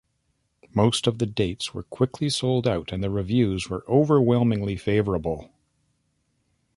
Most of the dates were quickly sold out, and the reviews were overwhelmingly favorable.